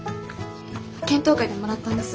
検討会でもらったんです。